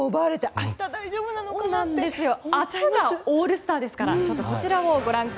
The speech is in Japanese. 明日がオールスターですから。